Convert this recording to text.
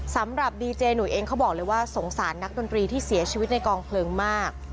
สำหรับดีเจหนุ่ยเองเขาบอกเลยว่าสงสารนักดนตรีที่เสียชีวิตในกองเพลิงมาก